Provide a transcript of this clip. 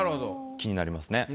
気になりますね。